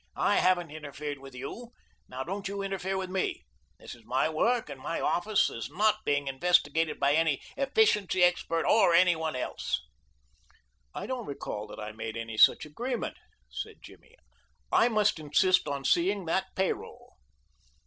I haven't interfered with you. Now don't you interfere with me. This is my work, and my office is not being investigated by any efficiency expert or any one else." "I don't recall that I made any such agreement," said Jimmy. "I must insist on seeing that pay roll."